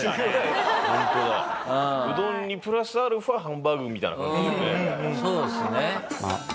うどんにプラスアルファハンバーグみたいな感じですね。